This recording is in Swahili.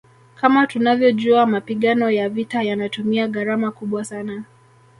Kama tunavyojua mapigano ya vita yanatumia gharama kubwa sana